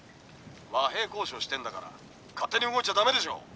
和平交渉してんだから勝手に動いちゃダメでしょう」。